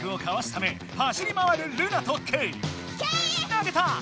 投げた！